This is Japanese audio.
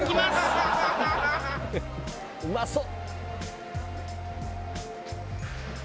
「うまそう！」